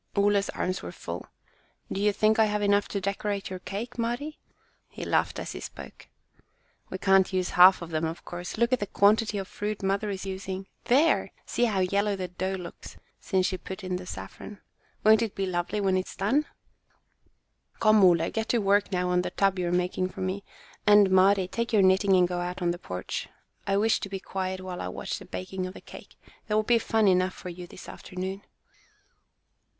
Ole's arms were full. "Do you think I have enough to decorate your cake, Mari?" He laughed as he spoke. "We can't use half of them, of course. Look at the quantity of fruit mother is using. There! see how yellow the dough looks since she put in the saffron. Won't it be lovely when it is done?" "Come, Ole, get to work on that tub you are making for me. And, Mari, take your knitting and go out on the porch. I wish to be quiet while I watch the baking of the cake. There will be fun enough for you this afternoon."